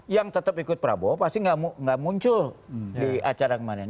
yang tetap ikut prabowo pasti nggak muncul di acara kemarin